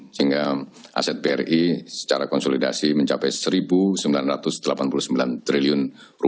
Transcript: sehingga aset bri secara konsolidasi mencapai rp satu sembilan ratus delapan puluh sembilan triliun